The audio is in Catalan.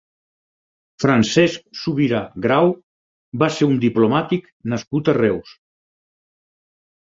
Francesc Subirà Grau va ser un diplomàtic nascut a Reus.